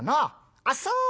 あっそうか。